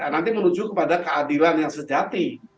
nanti menuju kepada keadilan yang sejati